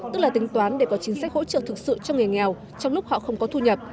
tức là tính toán để có chính sách hỗ trợ thực sự cho nghề nghèo trong lúc họ không có thu nhập